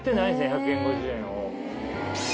１００円５０円を。